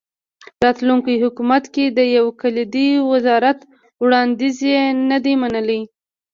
راتلونکي حکومت کې د یو کلیدي وزارت وړاندیز یې نه دی منلی.